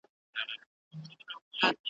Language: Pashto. زما د بخت تصویر دی د بهزاد په قلم کښلی .